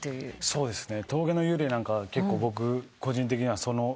そうですね。